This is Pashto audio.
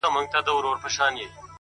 ته مي يو ځلي گلي ياد ته راوړه،